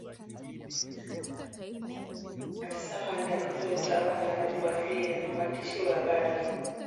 Afisa mwandamizi wa utawala aliwaambia waandishi wa habari.